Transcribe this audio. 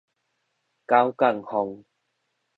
九降風